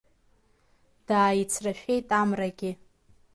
Дааицрашәеит Амрагьы.